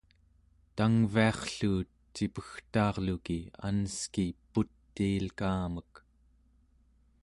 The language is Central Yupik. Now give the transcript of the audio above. tangviarrluut cipegtaarluki aneski putiil'kaamek!